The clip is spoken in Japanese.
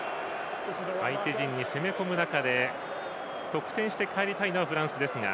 相手陣に攻め込む中で、得点して帰りたいのがフランスですが。